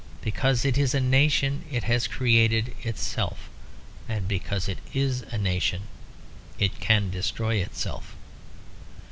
Because it is a nation it has created itself; and because it is a nation it can destroy itself.